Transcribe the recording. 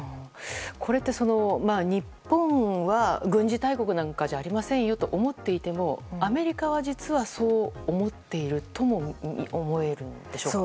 これって日本は軍事大国なんかじゃありませんよと思っていても、アメリカは実はそう思っているとも思えるんでしょうか。